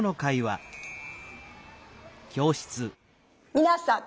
みなさん